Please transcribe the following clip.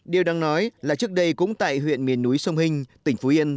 điều đáng nói là trước đây cũng tại huyện miền núi sông hinh tỉnh phú yên